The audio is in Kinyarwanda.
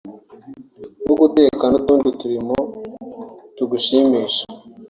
nko guteka n’utundi turimo tugushimisha